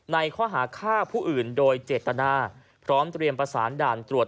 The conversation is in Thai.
ในข้อหาฆ่าผู้อื่นโดยเจตนาพร้อมเตรียมประสานด่านตรวจ